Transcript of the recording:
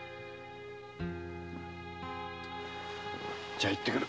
じゃあ行ってくる。